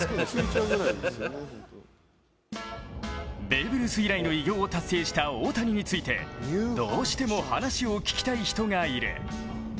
ベーブ・ルース以来の偉業を達成した大谷についてどうしても話を聞きたい人がいる。